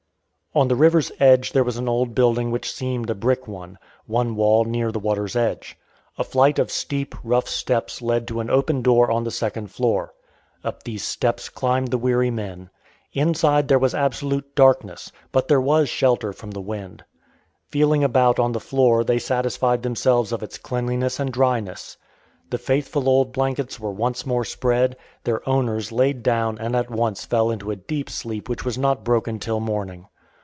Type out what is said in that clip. On the river's edge there was an old building which seemed a brick one; one wall near the water's edge. A flight of steep, rough steps led to an open door on the second floor. Up these steps climbed the weary men. Inside there was absolute darkness, but there was shelter from the wind. Feeling about on the floor they satisfied themselves of its cleanliness and dryness. The faithful old blankets were once more spread, their owners laid down and at once fell into a deep sleep which was not broken till morning.